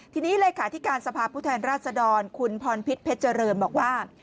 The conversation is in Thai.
ทีนี้เลขาธิการสภาพผู้แทนราชดรคุณพรพิษเพชรเจริญบอกว่า